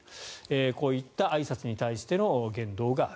こういったあいさつに対しての言動がある。